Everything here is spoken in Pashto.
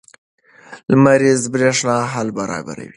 لمریزه برېښنا حل برابروي.